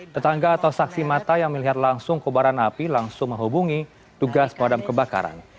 tetangga atau saksi mata yang melihat langsung kobaran api langsung menghubungi tugas padam kebakaran